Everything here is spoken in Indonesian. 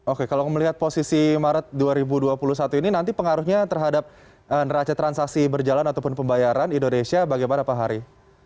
oke kalau melihat posisi maret dua ribu dua puluh satu ini nanti pengaruhnya terhadap neraca transaksi berjalan ataupun pembayaran indonesia bagaimana pak hari